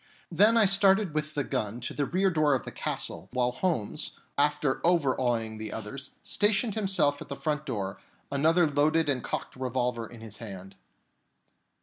Then I started with the gun to the rear door of the castle, while Holmes, after overawing the others, stationed himself at the front door, with another loaded and cocked revolver in his hand.